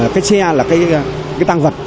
cái xe là cái tăng vật